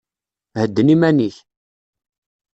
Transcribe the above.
Hedden iman-ik!